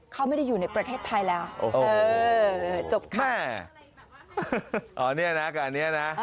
เขาไม่ได้อยู่ในประเทศไทยแล้วเออจบค่ะแม่อ๋อเนี่ยนะกับอันนี้นะ